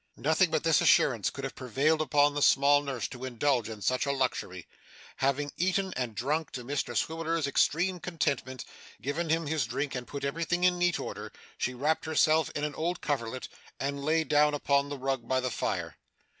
Nothing but this assurance could have prevailed upon the small nurse to indulge in such a luxury. Having eaten and drunk to Mr Swiveller's extreme contentment, given him his drink, and put everything in neat order, she wrapped herself in an old coverlet and lay down upon the rug before the fire.